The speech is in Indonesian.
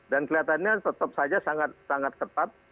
dan kelihatannya tetap saja sangat sangat tetap